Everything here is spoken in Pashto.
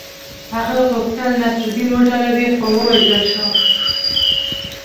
هغه غوښتل نصرالدین وډاروي خو ووژل شو.